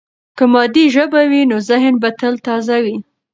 که مادي ژبه وي، نو ذهن به تل تازه وي.